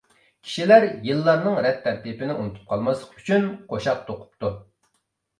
كىشىلەر يىللارنىڭ رەت تەرتىپىنى ئۇنتۇپ قالماسلىق ئۈچۈن قوشاق توقۇپتۇ.